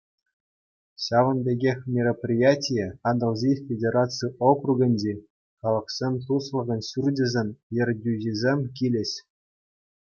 Ҫавӑн пекех мероприятие Атӑлҫи федераци округӗнчи Халӑхсен туслӑхӗн ҫурчӗсен ертӳҫисем килӗҫ.